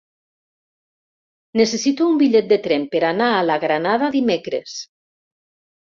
Necessito un bitllet de tren per anar a la Granada dimecres.